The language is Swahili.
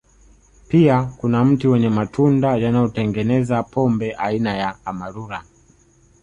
Pia kuna mti wenye matunda yanayotengeneza pombe aina ya Amarula